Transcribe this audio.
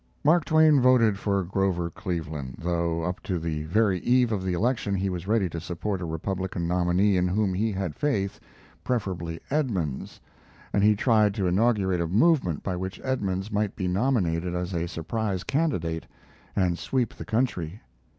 Mark Twain voted for Grover Cleveland, though up to the very eve of election he was ready to support a Republican nominee in whom he had faith, preferably Edmunds, and he tried to inaugurate a movement by which Edmunds might be nominated as a surprise candidate and sweep the country.